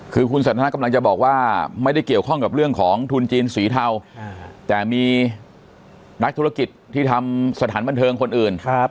คือคุณสันทนากำลังจะบอกว่าไม่ได้เกี่ยวข้องกับเรื่องของทุนจีนสีเทาแต่มีนักธุรกิจที่ทำสถานบันเทิงคนอื่น